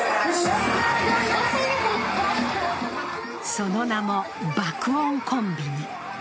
その名も爆音コンビニ。